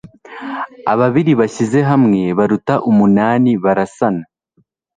ababiri bashyize hamwe baruta umunani barasana